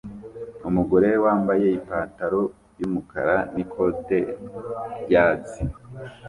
Umugore wambaye ipantaro yumukara n'ikote ryatsi